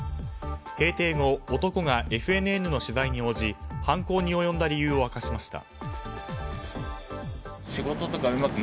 閉廷後、男がＦＮＮの取材に応じ犯行に及んだ理由を明かしました。